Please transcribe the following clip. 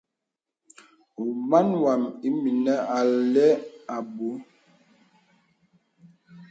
Màn wām ìmìnī a lɛ abù.